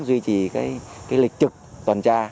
duy trì lịch trực tuần tra